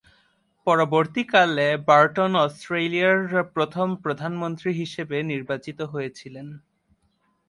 পরবর্তীকালে বার্টন অস্ট্রেলিয়ার প্রথম প্রধানমন্ত্রী হিসেবে নির্বাচিত হয়েছিলেন।